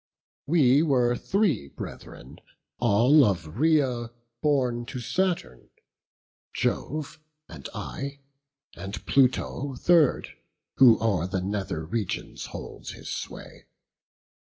We were three brethren, all of Rhaea born To Saturn; Jove and I, and Pluto third, Who o'er the nether regions holds his sway.